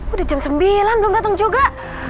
udah jam sembilan belum datang juga